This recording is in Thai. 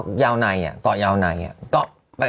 เกาะยาวไหนอะเกาะยาวไหนอะ